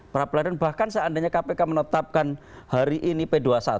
pra peradilan bahkan seandainya kpk menetapkan hari ini p dua puluh satu